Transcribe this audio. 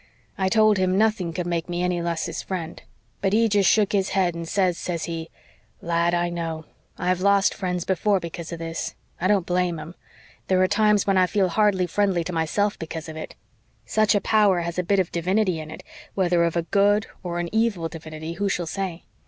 "I told him nothing could make me any less his friend. But he jest shook his head and says, says he: "'Lad, I know. I've lost friends before because of this. I don't blame them. There are times when I feel hardly friendly to myself because of it. Such a power has a bit of divinity in it whether of a good or an evil divinity who shall say?